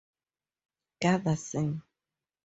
Gunderson.